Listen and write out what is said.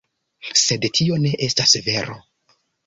Sed tio ne estas vero.